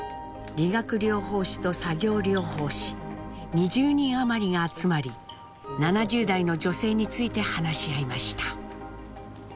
理学療法士と作業療法士２０人余りが集まり７０代の女性について話し合いました。